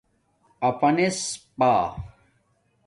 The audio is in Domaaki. اپݳنس پݳ